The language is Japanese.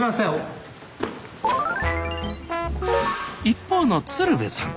一方の鶴瓶さん